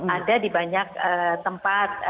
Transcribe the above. ada di banyak tempat